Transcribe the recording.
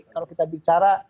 kalau kita bicara